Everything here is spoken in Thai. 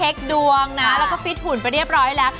ดวงนะแล้วก็ฟิตหุ่นไปเรียบร้อยแล้ว